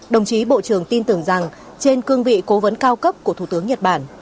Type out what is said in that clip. đồng chí bộ trưởng tin tưởng rằng trên cương vị cố vấn cao cấp của thủ tướng nhật bản